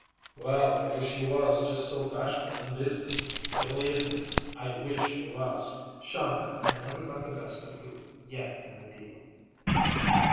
"Well, I wish you was just so bashful in business believe me! I wish you was." "Shongut, I never got the best of you yet in a deal."